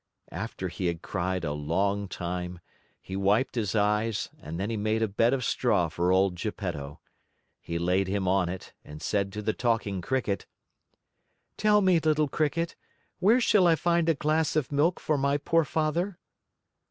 After he had cried a long time, he wiped his eyes and then he made a bed of straw for old Geppetto. He laid him on it and said to the Talking Cricket: "Tell me, little Cricket, where shall I find a glass of milk for my poor Father?"